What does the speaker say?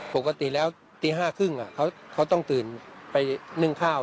ปกติแล้วตี๕๓๐เขาต้องตื่นไปนึ่งข้าว